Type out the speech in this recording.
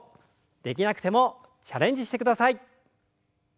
できなくてもチャレンジしてください。